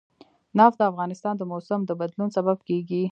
نفت د افغانستان د موسم د بدلون سبب کېږي.